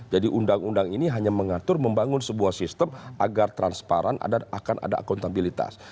jadi undang undang ini hanya mengatur membangun sebuah sistem agar transparan dan akan ada akuntabilitas